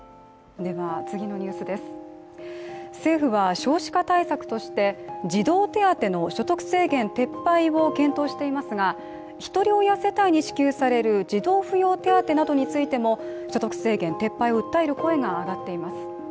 政府は、少子化対策として児童手当の所得制限撤廃を検討していますがひとり親世帯に支給される児童扶養手当などについても所得制限撤廃を訴える声が上がっています。